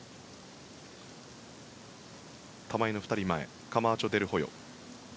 玉井の２人前カマーチョデルホヨ。